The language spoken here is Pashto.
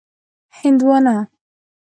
🍉 هندوانه